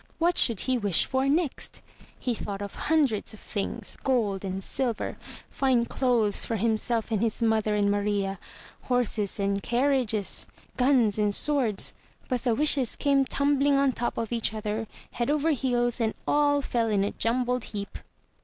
What should he wish for next? He thought of hundreds of things — gold and silver, fine clothes for himself and his mother and Maria, horses and carriages, guns and swords; but the wishes came tumbling on top of each other, head over heels and all fell in a jumbled heap.